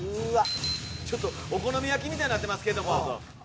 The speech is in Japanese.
ちょっとお好み焼きみたいになってますけども。